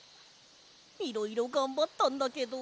いろいろがんばったんだけど。